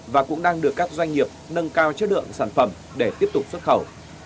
và cũng đang được các doanh nghiệp nâng cao chất lượng sản phẩm để tiếp tục xuất khẩu